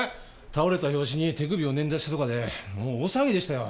倒れた拍子に手首を捻挫したとかでもう大騒ぎでしたよ。